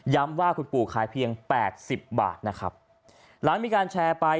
ว่าคุณปู่ขายเพียงแปดสิบบาทนะครับหลังมีการแชร์ไป